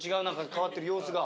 変わってる様子が。